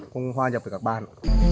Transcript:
cùng hoa nhập với các bạn